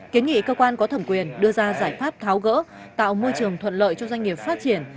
kiến nghị cơ quan có thẩm quyền đưa ra giải pháp tháo gỡ tạo môi trường thuận lợi cho doanh nghiệp phát triển